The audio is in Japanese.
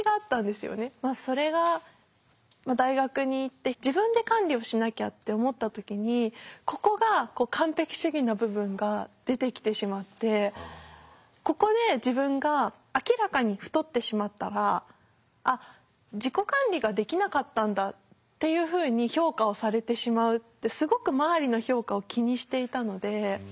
それが大学に行って自分で管理をしなきゃって思った時にここが完璧主義の部分が出てきてしまってここで自分が明らかに太ってしまったら「あっ自己管理ができなかったんだ」っていうふうに評価をされてしまうってすごく周りの評価を気にしていたので。